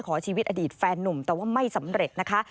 ขอชีวิตอดีตแฟนนุ่มแต่ว่าไม่สำเร็จนะคะ